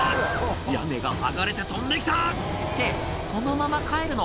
屋根が剥がれて飛んできた！」ってそのまま帰るの？